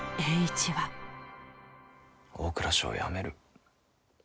大蔵省を辞める。